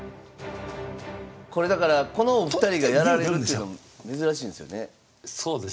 これだからこのお二人がやられるっていうの珍しいんですよね。